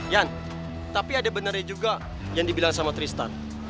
yan tapi ada benarnya juga yang dibilang sama tristan